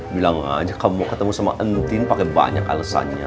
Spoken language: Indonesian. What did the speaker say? bilang aja kamu ketemu sama entin pake banyak alesannya